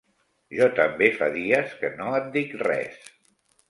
Jo també fa dies que no et dic res.